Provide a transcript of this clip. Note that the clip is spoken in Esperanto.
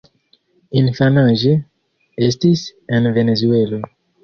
Infanaĝe, estis en Venezuelo.